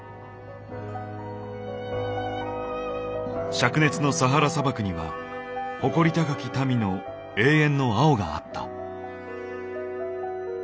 しゃく熱のサハラ砂漠には誇り高き民の永遠の青があった。